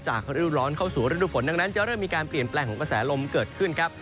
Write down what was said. ฤดูร้อนเข้าสู่ฤดูฝนดังนั้นจะเริ่มมีการเปลี่ยนแปลงของกระแสลมเกิดขึ้นครับ